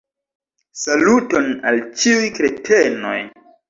Saluton al ĉiuj kretenoj